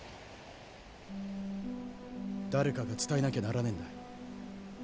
誰かが伝えなきゃならねえんだ。